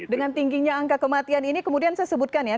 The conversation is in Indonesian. dengan tingginya angka kematian ini kemudian saya sebutkan ya